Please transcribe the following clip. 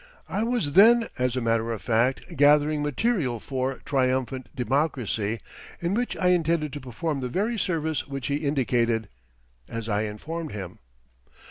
I was then, as a matter of fact, gathering material for "Triumphant Democracy," in which I intended to perform the very service which he indicated, as I informed him.